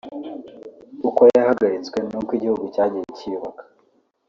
uko yahagaritswe n’uko igihugu cyagiye cyiyubaka